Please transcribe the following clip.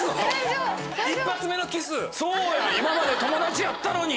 そうや今まで友達やったのに。